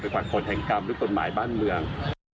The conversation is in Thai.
ปรากฏแห่งกรรมหรือกฎหมายบ้านเมือง